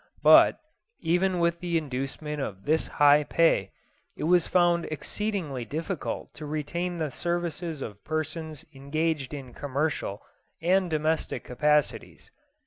But, even with the inducement of this high pay, it was found exceedingly difficult to retain the services of persons engaged in commercial and domestic capacities.